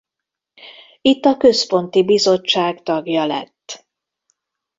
Itt a Központi Bizottság tagja lett.